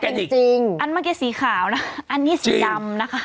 จริงอันเมื่อกี้สีขาวนะอันนี้สีดำนะคะ